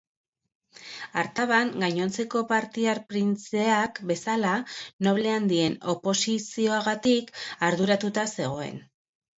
Artaban, gainontzeko partiar printzeak bezala, noble handien oposizioagatik arduratuta zegoen.